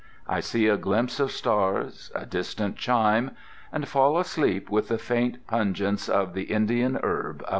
I see a glimpse of stars ... a distant chime ... and fall asleep with the faint pungence of the Indian herb about me.